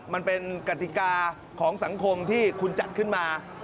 มันเป็นกติกาของสังคมที่คุณจัดขึ้นมา